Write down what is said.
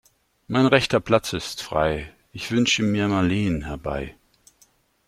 Mein rechter Platz ist frei, ich wünsche mir Marleen herbei.